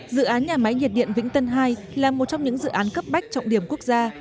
dự án nhà máy nhiệt điện vĩnh tân hai là một trong những dự án cấp bách trọng điểm quốc gia